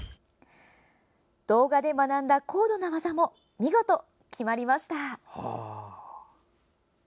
動画で学んだ高度な技も見事、決まりました！